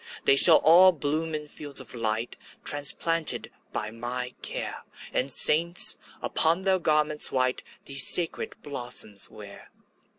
``They shall all bloom in fields of light, Transplanted by my care, And saints, upon their garments white, These sacred blossoms wear.''